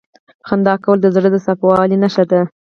• خندا کول د زړه د صفا والي نښه ده.